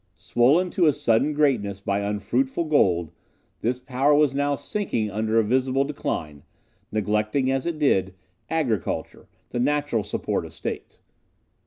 Swollen to a sudden greatness by unfruitful gold, this power was now sinking under a visible decline, neglecting, as it did, agriculture, the natural support of states.